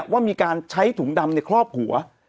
ว่ามีการใช้ถุงดำในครอบหัว